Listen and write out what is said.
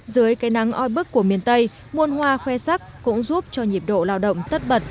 dưới cây nắng oi bức của miền tây muôn hoa khoe sắc cũng giúp cho nhịp độ lao động tất bật